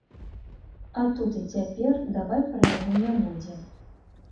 А тут і цяпер давай пра яго не будзем.